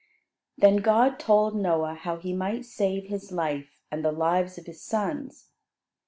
Then God told Noah how he might save his life and the lives of his sons.